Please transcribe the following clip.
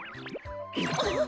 あっ！